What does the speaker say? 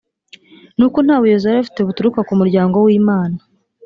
nuko nta buyobozi bari bafite buturuka ku muryango w imana